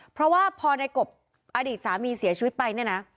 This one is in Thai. เพราะว่าพอในกบอดีตสามีเสียชีวิตไปเนี่ยนะ